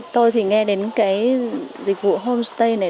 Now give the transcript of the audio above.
tôi thì nghe đến cái dịch vụ homestay này